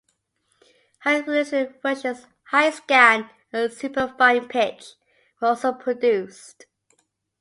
High resolution versions, Hi-Scan and Super Fine Pitch, were also produced.